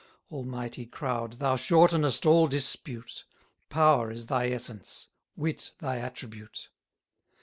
90 Almighty crowd, thou shortenest all dispute Power is thy essence; wit thy attribute!